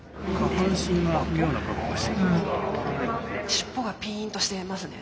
尻尾がピーンとしてますね